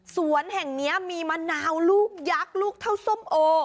สวนแห่งนี้มีมะนาวลูกยักษ์ลูกเท่าส้มโอ